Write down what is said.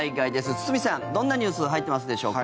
堤さん、どんなニュース入ってますでしょうか？